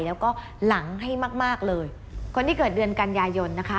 แล้วก็หลังให้มากมากเลยคนที่เกิดเดือนกันยายนนะคะ